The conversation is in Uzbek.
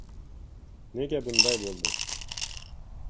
Nega bunday boʻldi?